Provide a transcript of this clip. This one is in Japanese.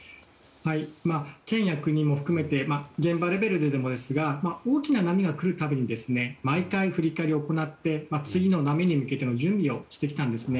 県や国も含めて現場レベルでですが大きな波が来る度に毎回、振り返りを行って次の波に向けての準備をしてきたんです。